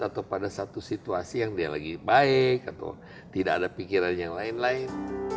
atau pada satu situasi yang dia lagi baik atau tidak ada pikiran yang lain lain